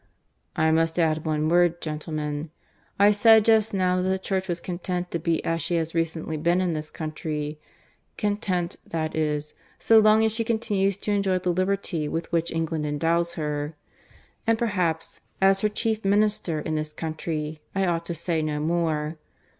"I must add one word, gentlemen. "I said just now that the Church was content to be as she has recently been in this country content, that is, so long as she continues to enjoy the liberty with which England endows her. "And perhaps, as her chief minister in this country, I ought to say no more.